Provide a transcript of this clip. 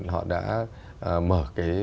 họ đã mở cái